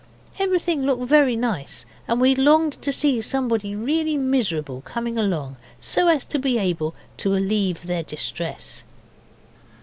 Everything looked very nice, and we longed to see somebody really miserable come along so as to be able to allieve their distress.